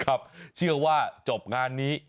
ครับเชื่อจบงานนี้